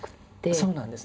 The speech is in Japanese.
そうなんです。